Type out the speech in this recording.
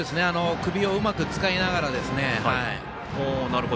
首をうまく使いながら。